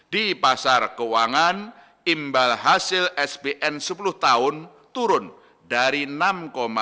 di pasar keuangan imbal hasil sbn sepuluh tahun turun dari enam tujuh